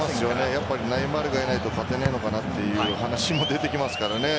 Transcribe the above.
やっぱりネイマールがいないと勝てないのかなという話も出てきますからね。